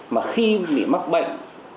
mà khi bị mắc bệnh